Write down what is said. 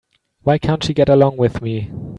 Why can't she get along with me?